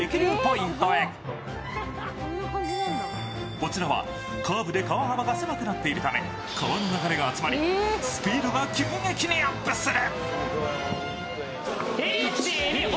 こちらはカーブで川幅が狭くなっているため、川の流れが集まりスピードが急激にアップする。